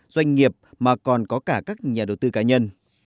doanh nghiệp mà còn có cả các nhà đầu tư cá nhân